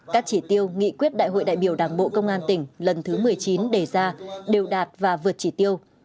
các chỉ tiêu nghị quyết đại hội đại biểu đảng bộ công an tỉnh lần thứ một mươi chín đề ra đều đạt và vượt chỉ tiêu